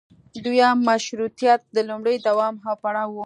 دویم مشروطیت د لومړي دوام او پړاو و.